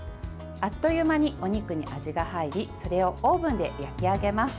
あっという間にお肉に味が入りそれをオーブンで焼き上げます。